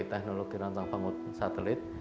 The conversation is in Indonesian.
teknologi nancang bangun satelit